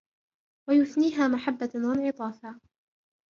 وَيُثْنِيهَا مَحَبَّةً وَانْعِطَافًا